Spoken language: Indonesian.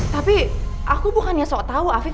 tapi aku bukan nyok tau alfif